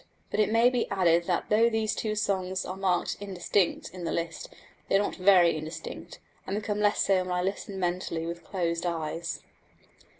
But it may be added that though these two songs are marked "indistinct" in the list, they are not very indistinct, and become less so when I listen mentally with closed eyes.